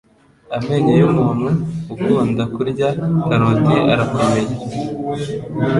amenyo y'umuntu ukunda kurya karoti arakomera